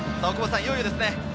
いよいよですね。